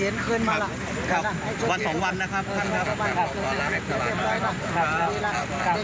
ขอบคุณครูบานะครับ